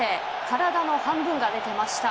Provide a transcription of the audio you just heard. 体の半分が出ていました。